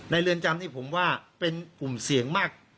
เรือนจำนี่ผมว่าเป็นกลุ่มเสี่ยงมาก